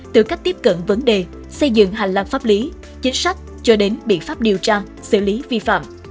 từ cách tiếp cận vấn đề xây dựng hành lang pháp lý chính sách cho đến biện pháp điều tra xử lý vi phạm